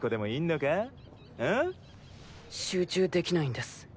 集中できないんです。